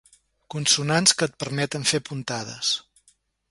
Consonants que et permeten fer puntades.